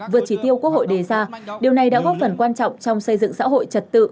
vượt chỉ tiêu quốc hội đề ra điều này đã góp phần quan trọng trong xây dựng xã hội trật tự